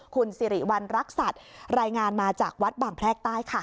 คุณสิริวัณรักษัตริย์รายงานมาจากวัดบางแพรกใต้ค่ะ